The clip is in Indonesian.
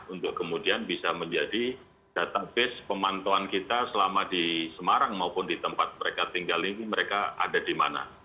untuk kemudian bisa menjadi database pemantauan kita selama di semarang maupun di tempat mereka tinggal ini mereka ada di mana